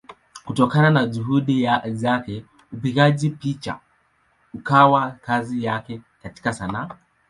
Kutokana na Juhudi zake upigaji picha ukawa kazi yake katika Sanaa.